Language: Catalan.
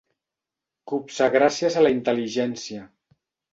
Copsar gràcies a la intel·ligència.